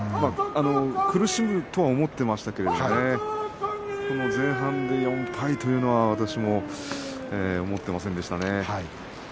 苦しむとは思っていましたが前半で４敗というのは私も思っていませんでした。